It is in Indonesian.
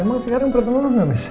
emang sekarang perut mama nggak bisa